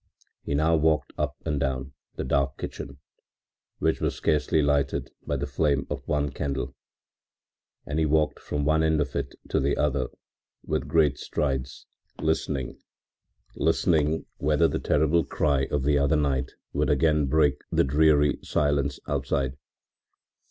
He now walked up and down the dark kitchen, which was scarcely lighted by the flame of one candle, and he walked from one end of it to the other with great strides, listening, listening whether the terrible cry of the other night would again break the dreary silence outside.